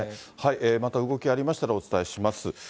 また動きありましたら、お伝えします。